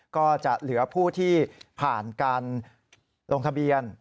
ก็จะเหลือผู้ที่ผ่านการลงทะเบียน